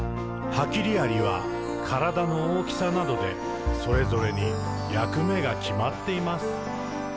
「ハキリアリはからだの大きさなどでそれぞれにやくめがきまっています。」